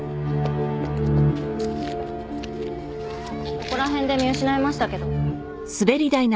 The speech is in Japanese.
ここら辺で見失いましたけど。